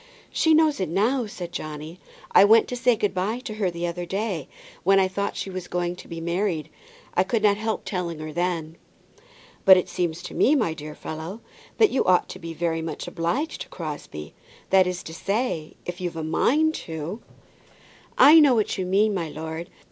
"She knows it now," said Johnny; "I went to say good by to her the other day, when I thought she was going to be married. I could not help telling her then." "But it seems to me, my dear fellow, that you ought to be very much obliged to Crosbie; that is to say, if you've a mind to " "I know what you mean, my lord.